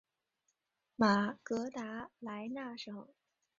马格达莱纳省。